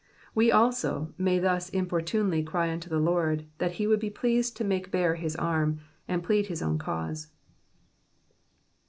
We, also, may thus importunately cry unto the Lord, that he would be pleased to make bare his arm, and plead his own cause.